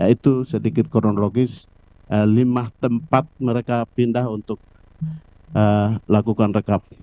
itu sedikit kronologis lima tempat mereka pindah untuk lakukan rekap